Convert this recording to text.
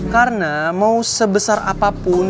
karena mau sebesar apapun